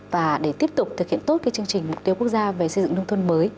và để tiếp tục thực hiện tốt cái chương trình mục tiêu quốc gia về xây dựng nông thôn mới